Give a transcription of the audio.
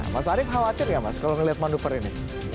mas arief khawatir gak mas kalau melihat manuver ini